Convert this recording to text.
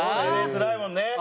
つらいもんね。